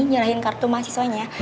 nyerahin kartu mahasiswanya